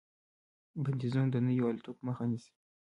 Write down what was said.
بندیزونه د نویو الوتکو مخه نیسي.